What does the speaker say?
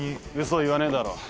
嘘言わねえだろ。